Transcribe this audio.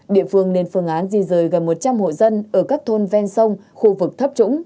địa phương nên phương án di rời gần một trăm linh hộ dân ở các thôn ven sông khu vực thấp trũng